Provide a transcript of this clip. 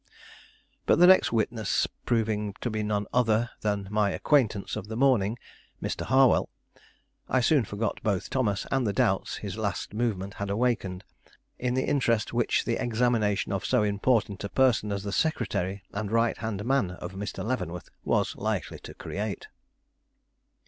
But the next witness proving to be none other than my acquaintance of the morning, Mr. Harwell, I soon forgot both Thomas and the doubts his last movement had awakened, in the interest which the examination of so important a person as the secretary and right hand man of Mr. Leavenworth was likely to create.